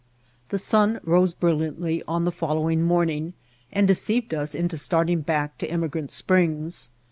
The sun rose brilliantly on the follow ing morning and deceived us into starting back to Emigrant Springs.